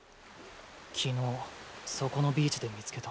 昨日そこのビーチで見つけた。